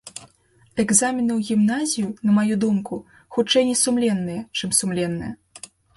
Экзамены ў гімназію, на маю думку, хутчэй несумленныя, чым сумленныя.